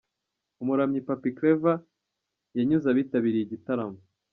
Umuramyi Pappy Clever yanyuze abitabiriye igitaramo.